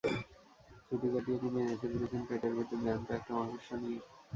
ছুটি কাটিয়ে তিনি দেশে ফিরেছেন পেটের ভেতর জ্যান্ত একটা মাকড়সা নিয়ে।